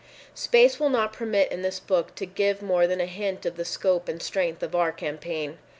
Space will not permit in this book to give more than a hint of the scope and strength of our campaign.